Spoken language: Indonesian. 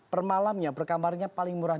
per malamnya per kamarnya paling murah